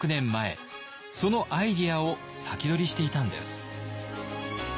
そのアイデアを先取りしていたんです。